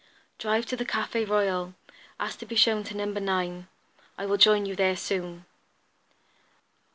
"Drive to the Café Royal. Ask to be shown to No. 9. I will join you there soon."